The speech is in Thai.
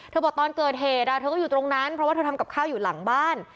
บอกตอนเกิดเหตุเธอก็อยู่ตรงนั้นเพราะว่าเธอทำกับข้าวอยู่หลังบ้าน